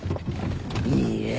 いいえ。